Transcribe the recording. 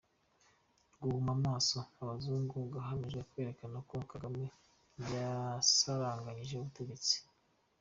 Guhuma amaso abazungu hagamijwe kwerekana ko Kagame yasaranganyije ubutegetsi